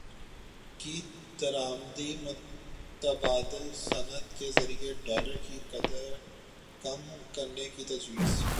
کی درامدی متبادل صنعت کے ذریعے ڈالر کی قدر کم کرنے کی تجویز